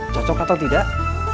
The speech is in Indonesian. cocok atau tidak